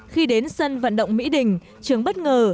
khi đến sân vận động mỹ đình trường bất ngờ